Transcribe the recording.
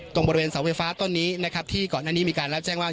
ตรงบริเวณเสาไฟฟ้าต้นนี้นะครับที่ก่อนหน้านี้มีการรับแจ้งว่า